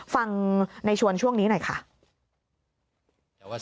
ฟังในชวนช่วงนี้หน่อยค่ะ